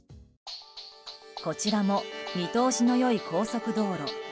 こちらも見通しの良い高速道路。